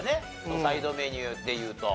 サイドメニューでいうと。